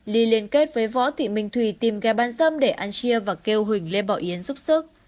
ly liên kết với võ thị minh thùy tìm ghe bán dâm để ăn chia và kêu huỳnh lê bảo yến giúp sức